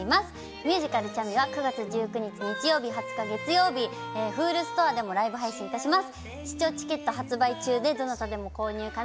ミュージカル『＃チャミ』は９月１９日、２０日、Ｈｕｌｕストアでもライブ配信しています。